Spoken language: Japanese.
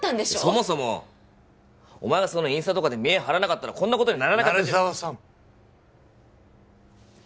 そもそもお前がそんなインスタとかで見栄張らなかったらこんなことにならなかった鳴沢さん